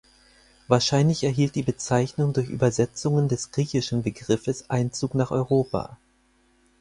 Wahrscheinlich erhielt die Bezeichnung durch Übersetzungen des griechischen Begriffes Einzug nach Europa.